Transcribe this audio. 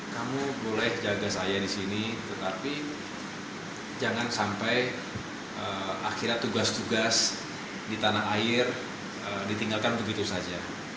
kamu boleh jaga saya di sini tetapi jangan sampai akhirnya tugas tugas di tanah air ditinggalkan begitu saja